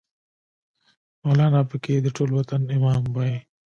مولانا پکې د ټول وطن امام وای